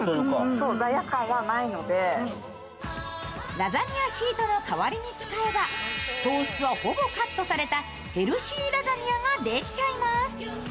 ラザニアシートの代わりに使えば、糖質はほぼカットされたヘルシーラザニアができちゃいます。